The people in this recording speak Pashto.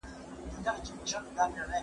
اقتصادي پرمختګ زموږ د ټولو ګډ ارمان دی.